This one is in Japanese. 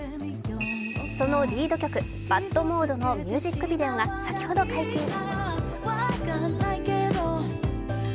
そのリード曲、「ＢＡＤモード」のミュージックビデオが先ほど解禁。